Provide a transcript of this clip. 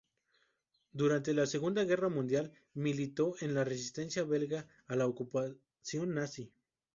Durante la Segunda Guerra Mundial militó en la Resistencia belga a la ocupación nazi.